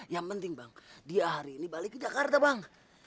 yang penting bang dia hari ini balik ke jakarta bang